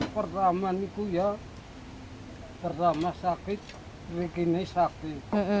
pertama niko ya pertama sakit laki laki sakit